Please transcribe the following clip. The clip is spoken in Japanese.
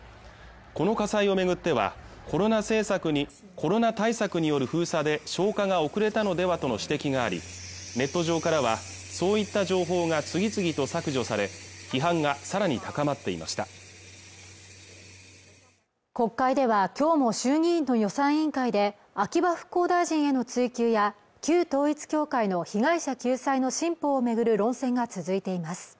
この火災をめぐってはコロナ対策による封鎖で消火が遅れたのではとの指摘がありネット上からはそういった情報が次々と削除され批判がさらに高まっていました国会ではきょうも衆議院の予算委員会で秋葉復興大臣への追及や旧統一教会の被害者救済の新法をめぐる論戦が続いています